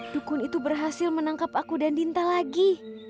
dukun itu berhasil menangkap aku dan dinta lagi